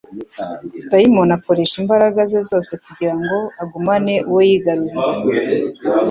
Dayimoni akoresha imbaraga ze zose kugira ngo agumane uwo yigarunye.